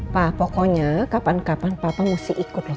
pak pokoknya kapan kapan papa mesti ikut loh